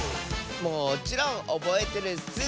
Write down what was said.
もちろんおぼえてるッス！